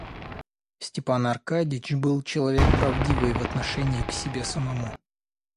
Степан Аркадьич был человек правдивый в отношении к себе самому.